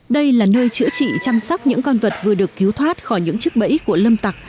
đây là nơi chữa trị chăm sóc những con vật vừa được cứu thoát khỏi những chức bẫy của lâm tặc